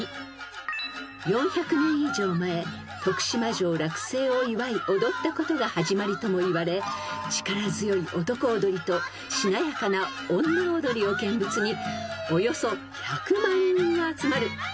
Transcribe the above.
［４００年以上前徳島城落成を祝い踊ったことが始まりともいわれ力強い男踊りとしなやかな女踊りを見物におよそ１００万人が集まる日本最大規模のお祭り］